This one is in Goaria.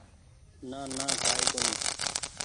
نانا ڪآئي ڪونيٚ